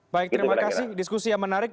baik terima kasih diskusi yang menarik